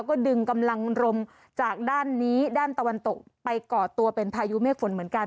ก็ดึงกำลังรมจากด้านนี้ด้านตะวันตกไปก่อตัวเป็นพายุเมฆฝนเหมือนกัน